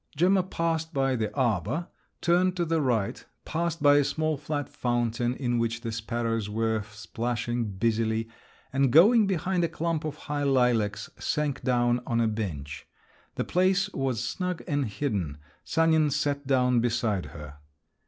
Gemma passed by the arbour, turned to the right, passed by a small flat fountain, in which the sparrows were splashing busily, and, going behind a clump of high lilacs, sank down on a bench. The place was snug and hidden. Sanin sat down beside her.